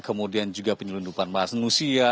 kemudian juga penyelundupan bahasa manusia